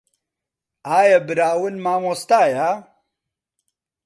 ئایا براون مامۆستایە؟